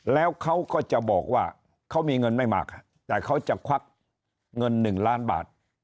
แล้วเขาก็จะบอกว่าเขามีเงินไม่มากแต่เขาจะควักเงิน๑ล้านบาท